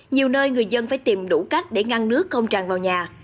nhiều nơi người dân phải tìm đủ cách để ngăn nước không tràn vào nhà